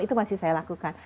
itu masih saya lakukan